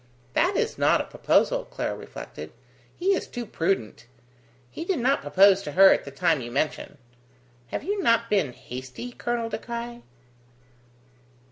"That is not a proposal," Clara reflected. "He is too prudent. He did not propose to her at the time you mention. Have you not been hasty, Colonel De Craye?"